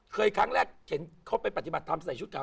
เคยครั้งแรกเห็นเขาไปปฏิบัติทำใส่ชุดกล่าว